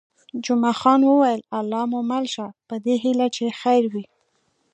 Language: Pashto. جمعه خان وویل: الله مو مل شه، په دې هیله چې خیر وي.